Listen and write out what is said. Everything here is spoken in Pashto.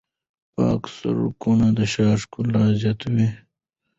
پاک سړکونه د ښار ښکلا زیاتوي.